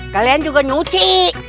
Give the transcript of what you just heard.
kalian juga nyuci